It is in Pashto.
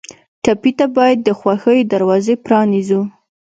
ټپي ته باید د خوښیو دروازې پرانیزو.